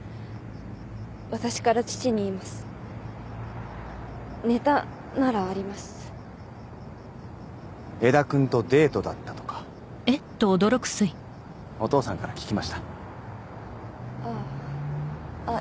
私から父に言いますネタならあります江田君とデートだったとかお父さんから聞きましたああーあっ